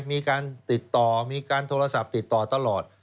มีการติดต่อมีการโทรศัพท์ติดต่อตลอด